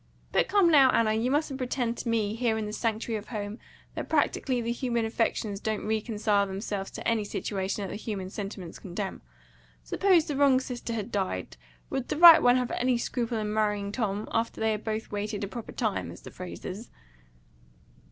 But come, now, Anna! you mustn't pretend to me here, in the sanctuary of home, that practically the human affections don't reconcile themselves to any situation that the human sentiments condemn. Suppose the wrong sister had died: would the right one have had any scruple in marrying Tom, after they had both 'waited a proper time,' as the phrase is?"